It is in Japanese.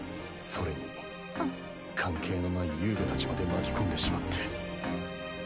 関係のない遊我たちまで巻き込んでしまって。